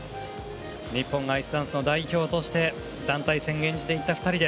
日本アイスダンスの代表として団体戦を演じていった２人。